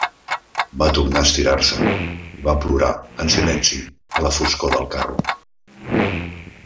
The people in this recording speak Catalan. Va tornar a estirar-se i va plorar en silenci a la foscor del carro.